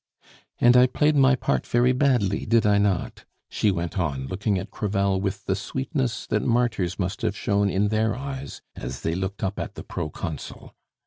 "And I played my part very badly, did I not?" she went on, looking at Crevel with the sweetness that martyrs must have shown in their eyes as they looked up at the Proconsul.